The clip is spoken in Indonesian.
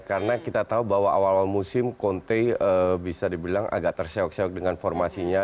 karena kita tahu bahwa awal awal musim conte bisa dibilang agak tersewak sewak dengan formasinya